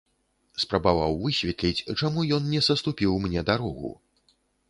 Спрабаваў высветліць, чаму ён не саступіў мне дарогу.